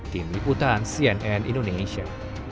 tim liputan cnn indonesia